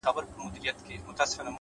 لوړ همت د خنډونو قد ټیټوي,